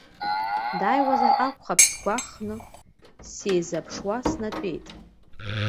Дааиуазар акәхап сгәахәын, сизыԥшуа снатәеит.